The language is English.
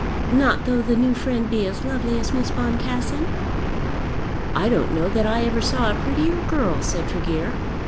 "Not though the new friend be as lovely as Miss Boncassen?" "I don't know that I ever saw a prettier girl," said Tregear.